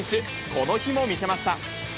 この日も見せました。